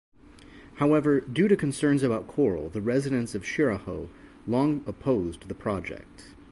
However, due to concerns about coral, the residents of Shiraho long opposed the project.